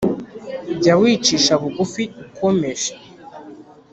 Jya wicisha bugufi ukomeje,